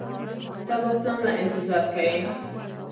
ته به پلان له انتظار کيې.